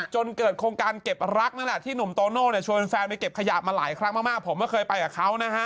จนเกิดโครงการเก็บรักที่หนุ่มโตโน่ชวนเป็นแฟนไปเก็บขยะมาหลายครั้งมากผมเคยไปกับเขา